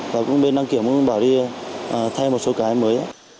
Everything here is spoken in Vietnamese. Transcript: và bên đăng kiểm cũng bảo đi thay một số cái mới